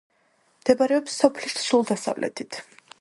მდებარეობს სოფლის ჩრდილო-დასავლეთით.